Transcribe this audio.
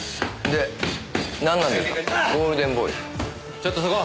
ちょっとそこ！